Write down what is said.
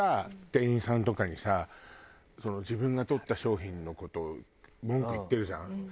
店員さんとかにさ自分が取った商品の事を文句言ってるじゃん。